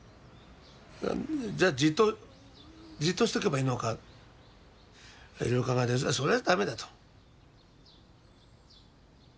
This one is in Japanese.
じゃあじっとじっとしとけばいいのかいろいろ考えたんですけどそれは駄目だと。